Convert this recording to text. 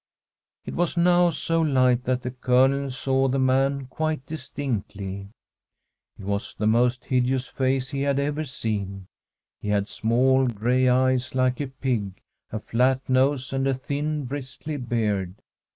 It was now so light that the Colonel saw the man quite distinctly. It was the most hideous face he had ever seen. He had small gray eyes like a pig, a flat nose, and a thin, bristly beard.